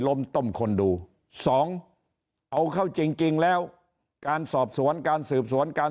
ล้มต้มคนดูสองเอาเข้าจริงจริงแล้วการสอบสวนการสืบสวนการ